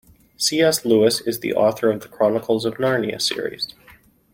C.S. Lewis is the author of The Chronicles of Narnia series.